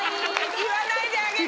言わないであげて！